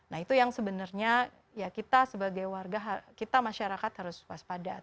nah itu yang sebenarnya ya kita sebagai warga kita masyarakat harus waspada